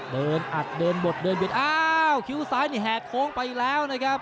เดินอัดเดินหมดเดินบิดอ้าวคิ้วซ้ายนี่แหกโค้งไปแล้วนะครับ